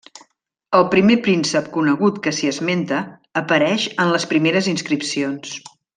El primer príncep conegut que s'hi esmenta apareix en les primeres inscripcions.